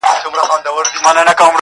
مُلا به څنګه دلته پاچا وای -